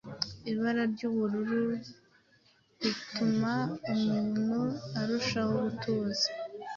ibara ry’ubururu rituma umuntu arushaho gutuza.